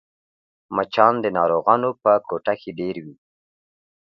مچان د ناروغانو په کوټه کې ډېر وي